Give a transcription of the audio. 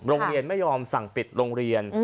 โรงเรียนไม่ยอมสั่งปิดโรงเรียน